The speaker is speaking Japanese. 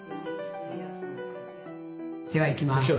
ではいきます。